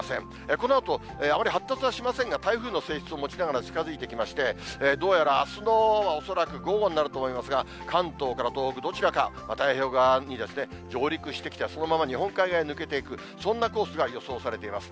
このあと、あまり発達はしませんが、台風の性質を持ちながら近づいてきまして、どうやらあすの恐らく午後になると思いますが、関東か東北、どちらか、太平洋側に上陸してきて、そのまま日本海側へ抜けていく、そんなコースが予想されています。